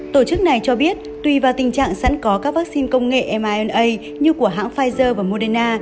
tổ chức này cho biết tùy vào tình trạng sẵn có các vaccine công nghệ myna như của hãng pfizer và moderna